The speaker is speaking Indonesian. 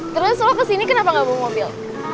terus lo kesini kenapa nggak bawa mobil